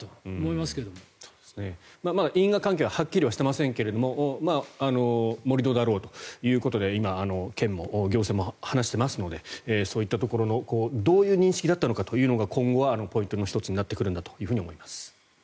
まだ因果関係ははっきりはしていませんけれども盛り土だろうということで今、県も行政も話していますのでそういったところのどういう認識だったのかが今後はポイントの１つになってくるんだと思います。